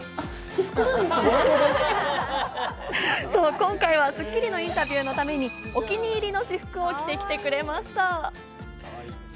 今回は『スッキリ』のインタビューのためにお気に入りの私服を着てきてくれました。